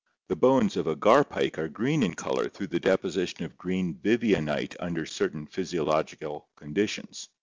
The bones of a gar pike are green in color through the deposition of green vivianite under certain physiological conditions.